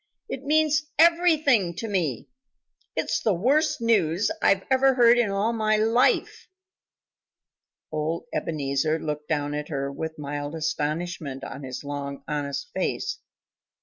It means everything to me. It's the worst news I ever heard in all my life." Old Ebenezer looked down at her with mild astonishment on his long, honest face.